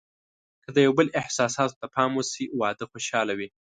که د یو بل احساساتو ته پام وشي، واده خوشحاله وي.